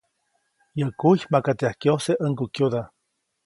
Yäʼ kuy makaʼt yajkyose ʼäŋgukyoda.